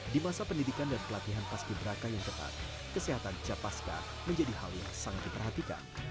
di masa pendidikan dan pelatihan paskiberaka yang tepat kesehatan cap paska menjadi hal yang sangat diperhatikan